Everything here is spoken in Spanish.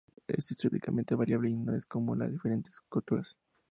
Es históricamente variable y no es común a las diferentes culturas.